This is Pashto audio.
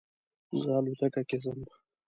زه الوتکې کې ځم